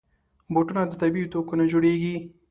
بوټونه د طبعي توکو نه جوړېږي.